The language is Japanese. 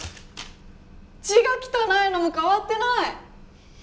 字が汚いのも変わってない！